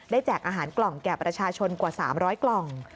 แจกอาหารกล่องแก่ประชาชนกว่า๓๐๐กล่อง